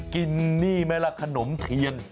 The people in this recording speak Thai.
กินนี่ไหมล่ะขนมเทียน